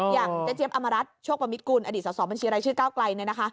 อย่างเจ๊เจี๊ยอำมารัฐโชคประมิตกุลอดีตสอบบัญชีรายชื่อก้าวไกลเนี่ยนะคะ